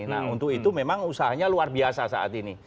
nah untuk itu memang usahanya luar biasa saat ini